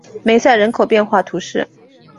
梅塞人口变化图示